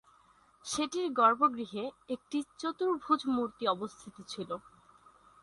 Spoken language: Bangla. সেটির গর্ভগৃহে একটি চতুর্ভূজ মূর্তি অবস্থিত ছিল।